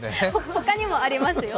他にもありますよ。